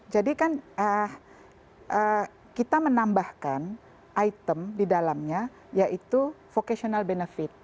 jadi kan kita menambahkan item di dalamnya yaitu vocational benefit